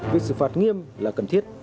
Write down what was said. vì sự phạt nghiêm là cần thiết